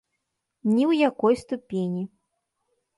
Ні ў якой ступені.